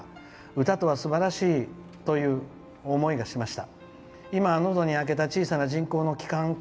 歌とはすばらしいという思いがしました。